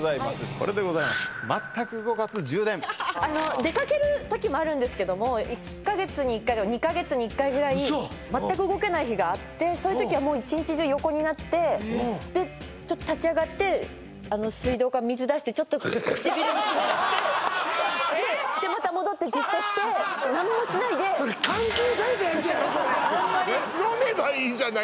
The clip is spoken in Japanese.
これでございます出かける時もあるんですけども１カ月に１回か２カ月に１回ぐらい嘘っ全く動けない日があってそういう時はもう一日中横になってでちょっと立ち上がって水道から水出してちょっと唇湿らせてまた戻ってじっとして何もしないでホンマに飲めばいいじゃない